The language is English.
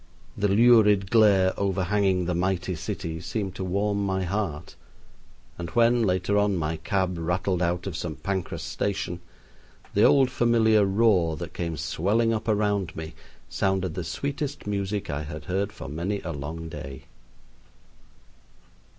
The lurid glare overhanging the mighty city seemed to warm my heart, and when, later on, my cab rattled out of St. Pancras' station, the old familiar roar that came swelling up around me sounded the sweetest music I had heard for many a long day.